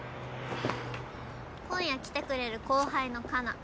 今夜来てくれる後輩のカナ。